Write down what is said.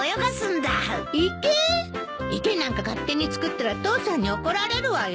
池なんか勝手に作ったら父さんに怒られるわよ！